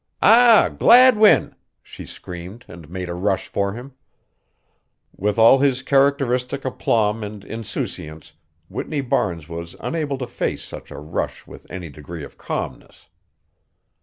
"Ah! Gladwin!" she screamed and made a rush for him. With all his characteristic aplomb and insouciance Whitney Barnes was unable to face such a rush with any degree of calmness.